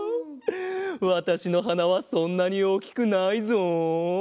わたしのはなはそんなにおおきくないぞ。